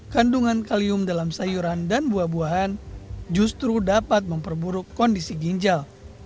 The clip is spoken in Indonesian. kandungan kalium dalam sayuran dan buah buahan justru dapat memperburuk kondisi ginjal